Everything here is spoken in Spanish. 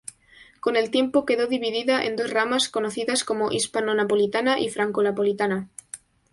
Con el tiempo quedó dividida en dos ramas conocidas como hispano-napolitana y franco-napolitana.